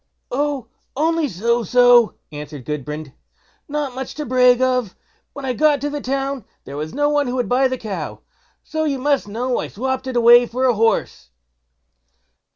"Oh! only so so", answered Gudbrand; "not much to brag of. When I got to the town there was no one who would buy the cow, so you must know I swopped it away for a horse."